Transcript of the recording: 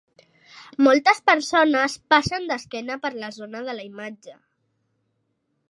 Moltes persones passen d'esquena per la zona de la imatge.